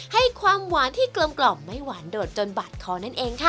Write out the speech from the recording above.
ให้ความหวานที่กลมไม่หวานโดดจนบาดคอนั่นเองค่ะ